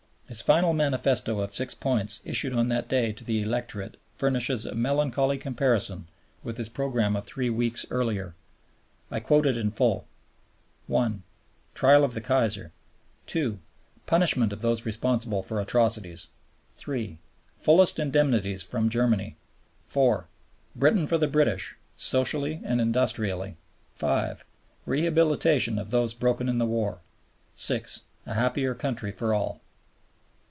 His Final Manifesto of Six Points issued on that day to the electorate furnishes a melancholy comparison with his program of three weeks earlier. I quote it in full: "1. Trial of the Kaiser. 2. Punishment of those responsible for atrocities. 3. Fullest Indemnities from Germany. 4. Britain for the British, socially and industrially. 5. Rehabilitation of those broken in the war. 6. A happier country for all."